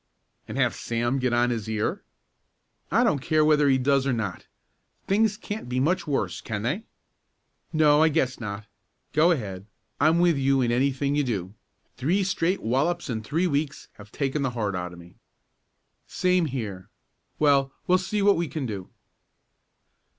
"And have Sam get on his ear?" "I don't care whether he does or not. Things can't be much worse; can they?" "No, I guess not. Go ahead. I'm with you in anything you do. Three straight wallops in three weeks have taken the heart out of me." "Same here. Well, we'll see what we can do."